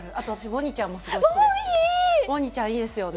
ウォンヒちゃんいいですよね。